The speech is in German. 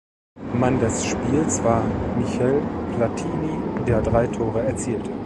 Mann des Spiels war Michel Platini, der drei Tore erzielte.